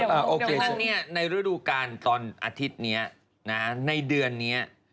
ดังนั้นในฤดูการตอนอาทิตย์นี้ในเดือนนี้